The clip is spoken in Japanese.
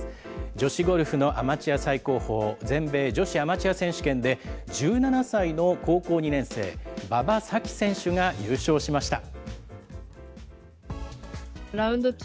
女子ゴルフのアマチュア最高峰、全米女子アマチュア選手権で、１７歳の高校２年生、馬場咲希選手が優勝しました。